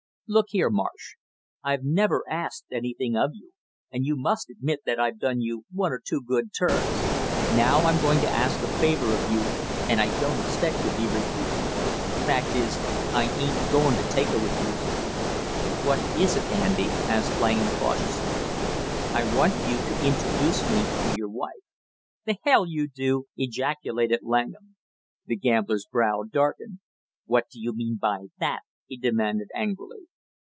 "Look here, Marsh, I've never asked anything of you, and you must admit that I've done you one or two good turns; now I'm going to ask a favor of you and I don't expect to be refused; fact is, I ain't going to take a refusal " "What is it, Andy?" asked Langham cautiously, "I want you to introduce me to your wife." "The hell you do!" ejaculated Langham. The gambler's brow darkened. "What do you mean by that?" he demanded angrily.